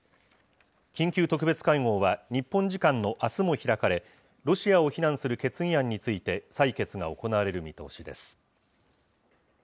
緊急特別会合は、日本時間のあすも開かれ、ロシアを非難する決議案について採決が行われる見通しです。